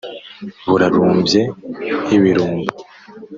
Burarumbye nk’ibirumba